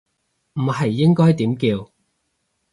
唔係應該點叫